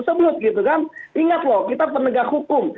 sebelum itu ingat loh kita penegak hukum